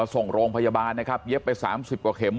ส่งโรงพยาบาลนะครับเย็บไป๓๐กว่าเข็ม